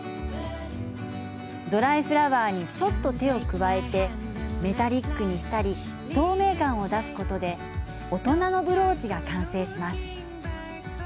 ドライフラワーにちょっと手を加えてメタリックにしたり透明感を出すことで大人のブローチが完成します。